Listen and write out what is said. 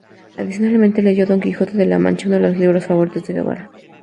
Adicionalmente, leyó "Don Quijote de la Mancha", uno de los libros favoritos de Guevara.